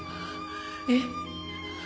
えっ？